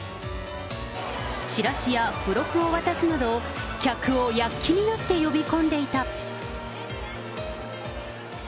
チラシや付録を渡すなど、客を躍起になって呼び込んでいた。